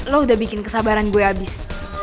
lo udah bikin kesabaran gue habis